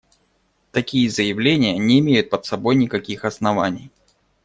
Такие заявления не имеют под собой никаких оснований.